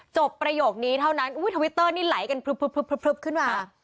ประโยคนี้เท่านั้นทวิตเตอร์นี่ไหลกันพลึบขึ้นมา